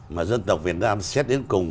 mà dân tộc việt nam xét đến cùng